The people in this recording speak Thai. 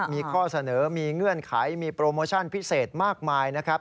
มีข้อเสนอมีเงื่อนไขมีโปรโมชั่นพิเศษมากมายนะครับ